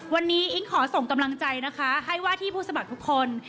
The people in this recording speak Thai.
วันนี้อิ๊งขอส่งกำลังใจนะคะให้ว่าที่ผู้สมัครทุกคน